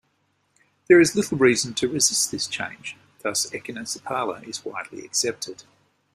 There is little reason to resist this change, thus "Echinosepala" is widely accepted.